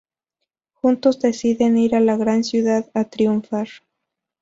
Juntos deciden ir a la gran ciudad a triunfar.